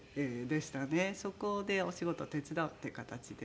そこでお仕事を手伝うって形でね